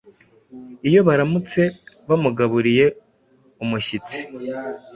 Iyo baramutse bamugaburiye, umushyitsi